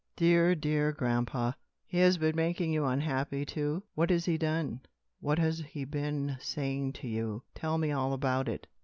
"Dear, dear grandpa! Has he been making you unhappy, too? What has he done? What has he been saying to you? Tell me all about it."